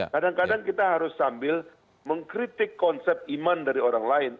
kadang kadang kita harus sambil mengkritik konsep iman dari orang lain